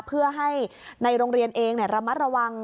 เพื่อให้ในโรงเรียนเองระมัดระวัง